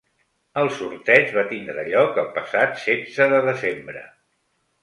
El sorteig va tindre lloc el passat setze de desembre.